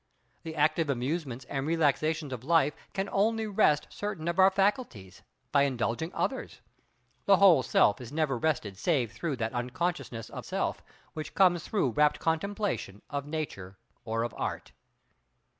The active amusements and relaxations of life can only rest certain of our faculties, by indulging others; the whole self is never rested save through that unconsciousness of self, which comes through rapt contemplation of Nature or of Art.